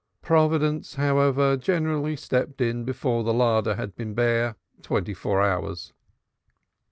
Providence, however, generally stepped in before the larder had been bare twenty four hours.